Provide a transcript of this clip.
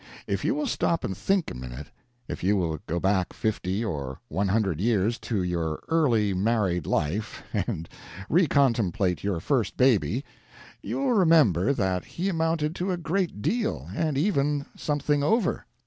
If you will stop and. think a minute — if you will go back fifty or one hundred years to your early married life and recontemplate your first baby — you will remember that he amounted to a good deal, and even something over.